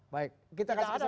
baik kita kasih kesempatan